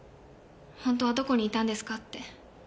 ほんとはどこにいたんですかって。